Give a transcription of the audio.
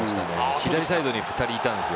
左サイドに２人いたんですよ。